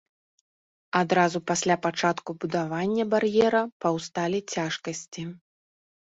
Адразу пасля пачатку будавання бар'ера паўсталі цяжкасці.